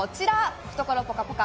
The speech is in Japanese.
懐ぽかぽか！